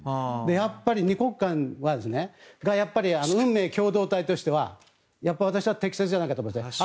やっぱり２国間は運命共同体としては私は適切じゃないかと思いますね。